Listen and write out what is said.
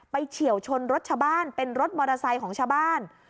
เฉียวชนรถชาวบ้านเป็นรถมอเตอร์ไซค์ของชาวบ้าน